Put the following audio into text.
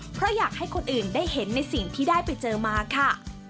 เพราะอยากให้คนอื่นได้เห็นในสิ่งที่ได้ไปเจอมาค่ะ